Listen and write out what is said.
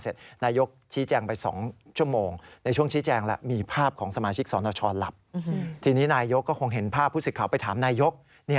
ทีนี้นายกก็คงเห็นภาพผู้สิทธิ์ข่าวไปถามนายก